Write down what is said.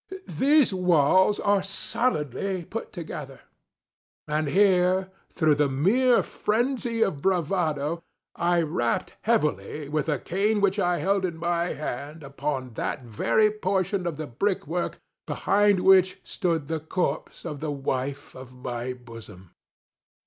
ŌĆöthese walls are solidly put together; ŌĆØ and here, through the mere phrenzy of bravado, I rapped heavily, with a cane which I held in my hand, upon that very portion of the brick work behind which stood the corpse of the wife of my bosom.